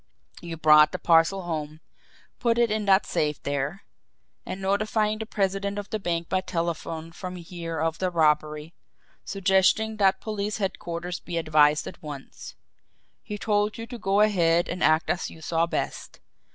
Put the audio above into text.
You brought the parcel home, put it in that safe there and notified the president of the bank by telephone from here of the robbery, suggesting that police headquarters be advised at once. He told you to go ahead and act as you saw best.